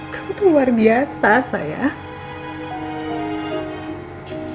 kamu tuh luar biasa saya